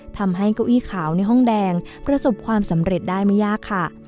ทำให้เก้าอี้ขาวในห้องแดงประสบความสำเร็จได้ไม่ยากค่ะ